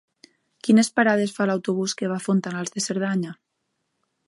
Quines parades fa l'autobús que va a Fontanals de Cerdanya?